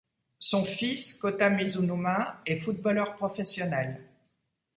Son fils, Kota Mizunuma, est footballeur professionnel.